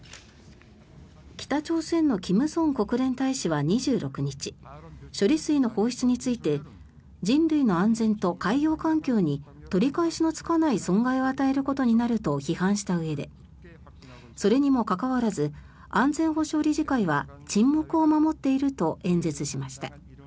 北朝鮮のキム・ソン国連大使は２６日処理水の放出について人類の安全と海洋環境に取り返しのつかない損害を与えることになると批判したうえでそれにもかかわらず安全保障理事会は沈黙を守っていると演説しました。